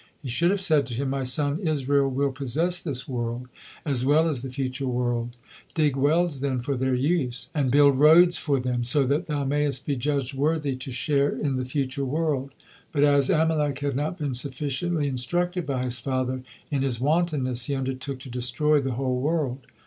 He should have said to him: "My son, Israel will posses this world as well as the future world; dig wells then for their use and build road for them, so that thou mayest be judged worthy to share in the future world." But as Amalek had not been sufficiently instructed by his father, in his wantonness he undertook to destroy the whole world.